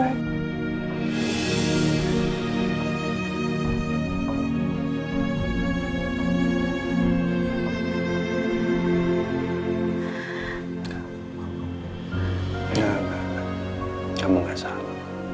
enggak enggak enggak kamu gak salah